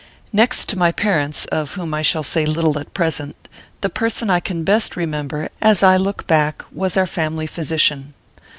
Next to my parents, of whom I shall say little at present, the person I can best remember, as I look back, was our family physician.